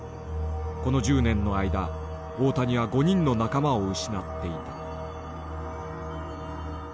この１０年の間大谷は５人の仲間を失っていた。